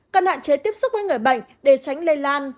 cần hạn chế tiếp xúc với người bệnh để tránh lây lan